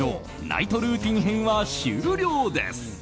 ナイトルーティン編は終了です。